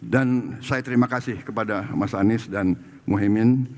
dan saya terima kasih kepada mas anies dan mohaimin